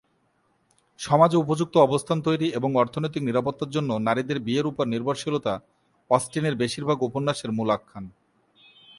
সমাজে উপযুক্ত অবস্থান তৈরি এবং অর্থনৈতিক নিরাপত্তার জন্য নারীদের বিয়ের উপর নির্ভরশীলতা অস্টিনের বেশির ভাগ উপন্যাসের মূল আখ্যান।